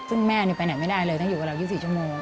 ซึ่งแม่ไปไหนไม่ได้เลยต้องอยู่กับเรา๒๔ชั่วโมง